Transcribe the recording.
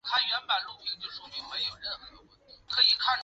卡斯尔镇区为美国堪萨斯州麦克弗森县辖下的镇区。